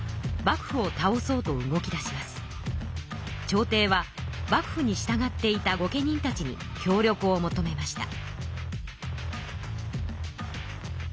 朝廷は幕府にしたがっていた御家人たちに協力を求めました。